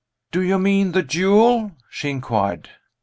"Do you mean the duel?" she inquired.